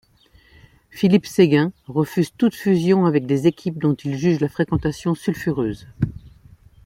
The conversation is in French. Philippe Séguin refuse toute fusion avec des équipes dont il juge la fréquentation sulfureuse.